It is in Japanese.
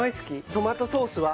トマトソースは？